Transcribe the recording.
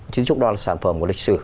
dí trúc đó là sản phẩm của lịch sử